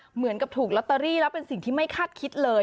เหมือนกับถูกลอตเตอรี่แล้วเป็นสิ่งที่ไม่คาดคิดเลย